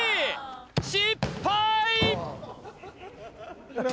失敗！